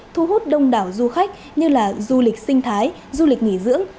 thu hút đông đảo du khách như là du lịch sinh thái du lịch nghỉ dưỡng